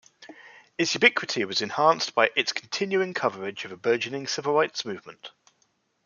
Its ubiquity was enhanced by its continuing coverage of the burgeoning Civil Rights Movement.